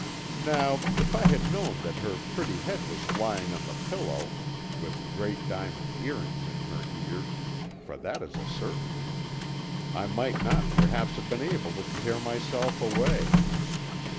Now, if I had known that her pretty head was lying on the pillow, with great diamond earrings in her ears for that is a certainty I might not perhaps have been able to tear myself away.